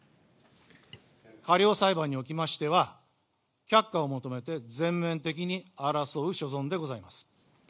過料裁判におきましては、却下を求めて全面的に争う所存でございます。